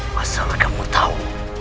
masalah kamu tahu